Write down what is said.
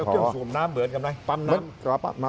ปั๊มแล้วเครื่องส่วนน้ำเหมือนกันไหมปั๊มน้ำ